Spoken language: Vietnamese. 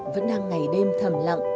vẫn đang ngày đêm thầm lặng